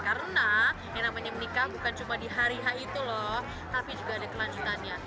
karena yang namanya menikah bukan cuma di hari itu loh tapi juga ada kelanjutannya